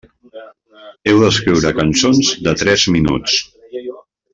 Heu d'escriure cançons de tres minuts.